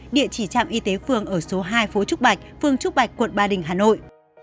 địa chỉ trạm y tế phường ở số hai phố trúc bạch phường trúc bạch quận ba đình hà nội